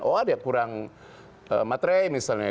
oh dia kurang materai misalnya